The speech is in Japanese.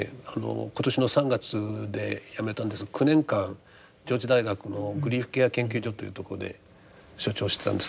今年の３月で辞めたんですが９年間上智大学のグリーフケア研究所というところで所長してたんですがね